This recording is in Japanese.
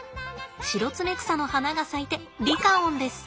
シロツメクサの花が咲いてリカオンです。